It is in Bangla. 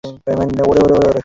ওহ, ওরে, ওরে, ওরে।